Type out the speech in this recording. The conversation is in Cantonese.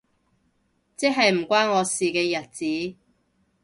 即係唔關我事嘅日子